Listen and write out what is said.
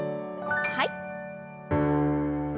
はい。